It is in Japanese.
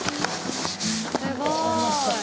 すごーい。